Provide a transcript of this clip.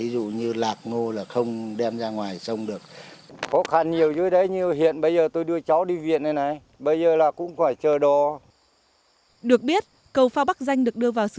được biết cầu phao bắc danh được đưa vào sử